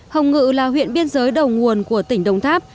hồng ngự là huyện biên giới đầu nguồn của tỉnh đồng tháp